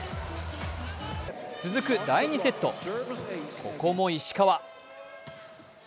続く第２セット、ここも石川。